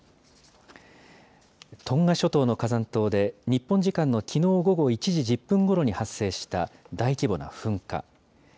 トンガ諸島の火山島で、日本時間のきのう午後１時１０分ごろに発生した大規模な噴火。